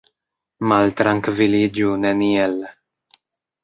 Maltrankviliĝu neniel.